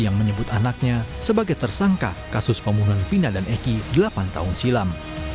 yang menyebut anaknya sebagai tersangka kasus pembunuhan vina dan eki delapan tahun silam